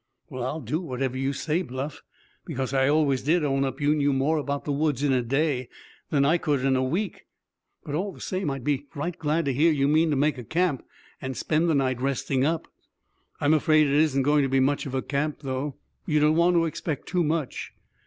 "Well, I'll do whatever you say, Bluff, because I always did own up you knew more about the woods in a day than I could in a week; but all the same I'd be right glad to hear you mean to make a camp, and spend the night resting up." "I'm afraid it isn't going to be much of a camp, though; you don't want to expect too much."